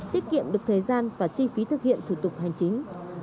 tiết kiệm được thời gian và chi phí thực hiện thủ tục hành chính